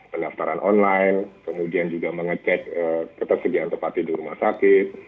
pendaftaran online kemudian juga mengecek ketersediaan tempat tidur rumah sakit